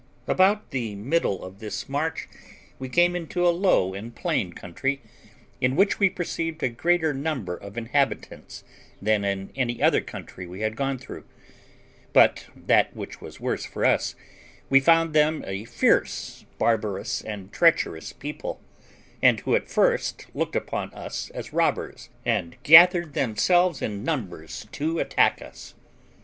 About the middle of this march we came into a low and plain country, in which we perceived a greater number of inhabitants than in any other country we had gone through; but that which was worse for us, we found them a fierce, barbarous, treacherous people, and who at first looked upon us as robbers, and gathered themselves in numbers to attack us.